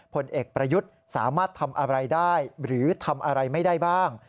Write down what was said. ผลเอกประยุทธ์สามารถทำอะไรได้หรือทำอะไรไม่ได้บ้าง